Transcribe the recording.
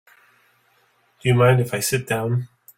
Do you mind if I sit down?